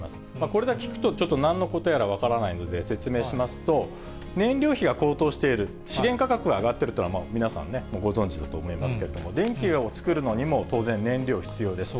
これだけ聞くと、ちょっとなんのことやら分からないので、説明しますと、燃料費が高騰している、資源価格は上がっているというのは皆さんね、ご存じだと思いますけれども、電気を作るのにも、当然燃料必要です。